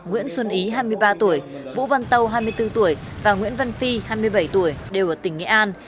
nguyễn xuân ý hai mươi ba tuổi vũ văn tâu hai mươi bốn tuổi và nguyễn văn phi hai mươi bảy tuổi đều ở tỉnh nghệ an